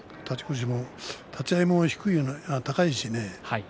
立ち合いも高いしね。